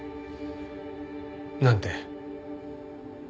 なんて？